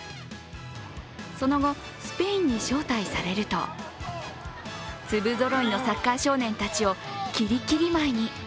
その後、スペインに招待されると粒ぞろいのサッカー少年たちをきりきり舞いに。